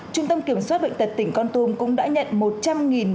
trung tâm kiểm soát bệnh tật tỉnh con tum cũng đã nhận